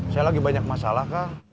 saya lagi banyak masalah kah